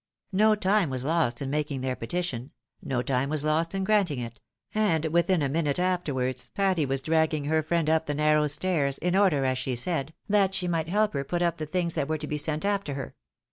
No time was lost in making their petition, no time was lost in granting it ; and within a minute afterwards, Patty was dragging her friend up the narrow stairs, in order, as she said, that she might help her to put up the things that were to be sent after her.